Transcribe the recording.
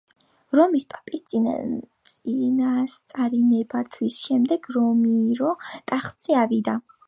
რომის პაპის წინასწარი ნებართვის შემდეგ რამირო ტახტზე ავიდა.